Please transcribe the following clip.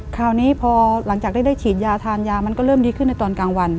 คราวนี้พอหลังจากได้ฉีดยาทานยามันก็เริ่มดีขึ้นในตอนกลางวัน